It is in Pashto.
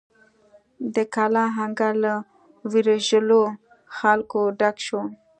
د کلا انګړ له ویرژلو خلکو ډک شو.